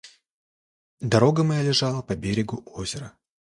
Дорога моя лежала по берегу озера.